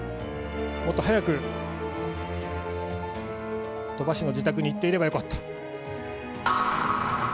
もっと早く鳥羽氏の自宅に行っていればよかった。